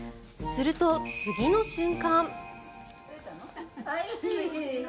すると、次の瞬間。